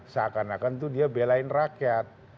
seakan akan itu dia belain rakyat